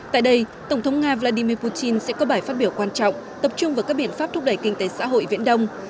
tại đây tổng thống nga vladimir putin sẽ có bài phát biểu quan trọng tập trung vào các biện pháp thúc đẩy kinh tế xã hội viễn đông